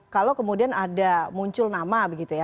kalau kemudian ada muncul nama begitu ya